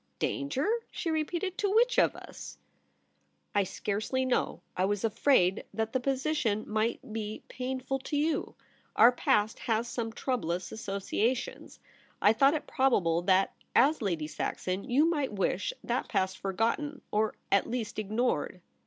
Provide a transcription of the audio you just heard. * Danger !' she repeated ;* to which of us ?'* I scarcely know. I was afraid that the position might be painful to you. Our past has some troublous associations. I thought it probable that, as Lady Saxon, you might wish that past forgotten — or at least ignored.'